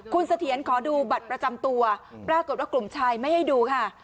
คุณเสถียรขอดูบัตรประจำตัวปรากฏว่ากลุ่มชายไม่ให้ดูค่ะ